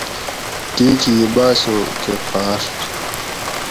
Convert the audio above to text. گیکھی باۤسو کہ پھاۤڛت